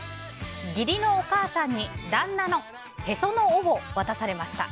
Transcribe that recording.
義理のお母さんに旦那のへその緒を渡されました。